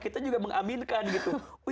kita juga mengaminkan gitu